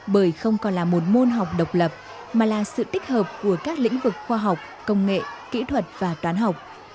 bởi không còn là một môn học độc lập mà là sự tích hợp của các lĩnh vực khoa học công nghệ kỹ thuật và toán học